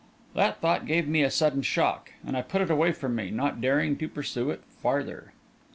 That thought gave me a sudden shock, and I put it away from me, not daring to pursue it farther.